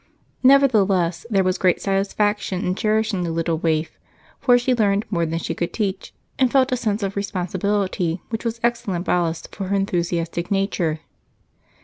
Nevertheless, there was great satisfaction in cherishing the little waif, for she learned more than she could teach and felt a sense of responsibility which was excellent ballast for her enthusiastic nature.